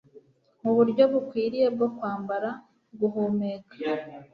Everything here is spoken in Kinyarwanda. uburyo bukwiriye bwo kwambara, guhumeka,